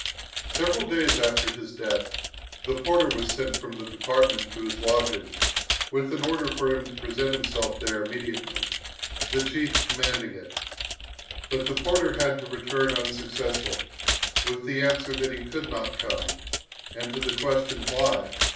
Several days after his death, the porter was sent from the department to his lodgings, with an order for him to present himself there immediately, the chief commanding it. But the porter had to return unsuccessful, with the answer that he could not come; and to the question, "Why?"